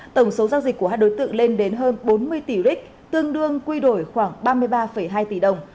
tổng số giao dịch của hai đối tượng lên đến hơn bốn mươi tỷ ric tương đương quy đổi khoảng ba mươi ba hai tỷ đồng